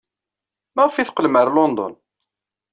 Maɣef ay teqqlem ɣer London?